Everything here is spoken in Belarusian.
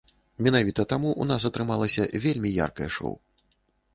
Менавіта таму ў нас атрымалася вельмі яркае шоў.